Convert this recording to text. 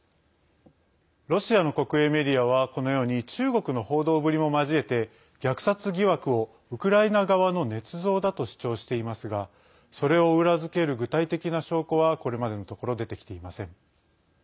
ロシアの国営メディアはこのように中国の報道ぶりも交えて虐殺疑惑をウクライナ側のねつ造だと主張していますがそれを裏付ける具体的な証拠はこれまでのところ出てきていません。